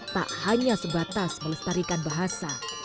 tak hanya sebatas melestarikan bahasa